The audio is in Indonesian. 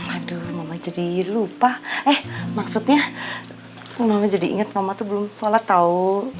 aduh mama jadi lupa eh maksudnya mama jadi ingat mama tuh belum sholat tau